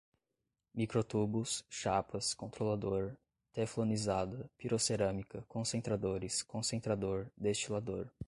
micro-tubos, chapas, controlador, teflonizada, pirocerâmica, concentradores, concentrador, destilador